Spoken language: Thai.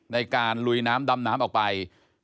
ในการลุยน้ำดำน้ำออกไป